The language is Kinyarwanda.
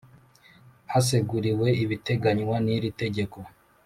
Haseguriwe ibiteganywa n iri tegeko